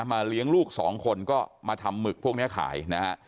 เลี้ยงลูกสองคนก็มาทำหมึกพวกนี้ขายนะฮะ